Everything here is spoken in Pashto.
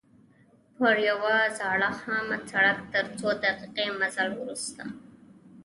پر یوه زاړه خامه سړک تر څو دقیقې مزل وروسته.